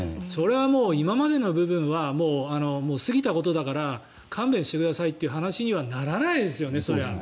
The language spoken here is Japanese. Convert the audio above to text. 今までの部分は過ぎたことだから勘弁してくださいって話にはならないですよね。